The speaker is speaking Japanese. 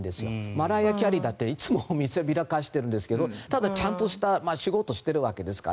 マライア・キャリーだっていつも見せびらかしてますがただちゃんと仕事をしているわけですから。